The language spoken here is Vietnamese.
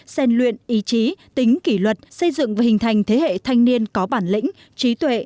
xen luyện ý chí tính kỷ luật xây dựng và hình thành thế hệ thanh niên có bản lĩnh trí tuệ